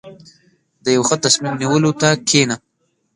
• د یو ښه تصمیم نیولو ته کښېنه.